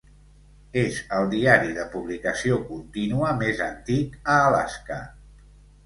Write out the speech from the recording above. És el diari de publicació contínua més antic a Alaska.